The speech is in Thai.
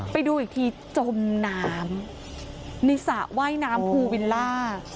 ไปดูอีกทีจมน้ำในสระว่ายน้ำภูวิลล่า